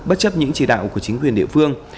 bất chấp những chỉ đạo của chính quyền địa phương